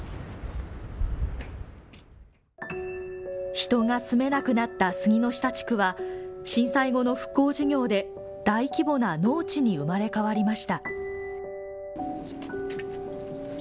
人が住めなくなった杉ノ下地区は震災後の復興事業で大規模な農地に生まれ変わりました。